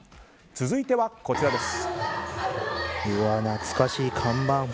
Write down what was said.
続いては、こちらです。